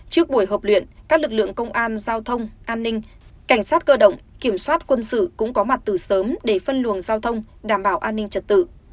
trước buổi hợp luyện các lực lượng công an giao thông an ninh cảnh sát cơ động kiểm soát quân sự cũng có mặt từ sớm để phân luồng giao thông đảm bảo an ninh trật tự